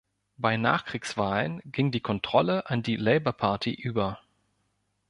Bei Nachkriegswahlen ging die Kontrolle an die Labour Party über.